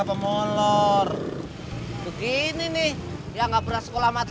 saya cuman gak tahu apa tadi